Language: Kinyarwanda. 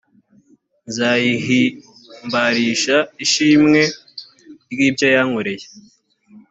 nzayihimbarisha ishimwe ry ibyo yankoreye